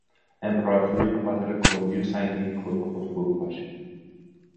امپراتوری به خاطر کندی و سنگینی خود به خود فرو پاشید.